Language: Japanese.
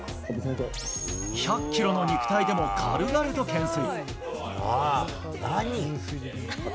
１００キロの肉体でも軽々と懸垂。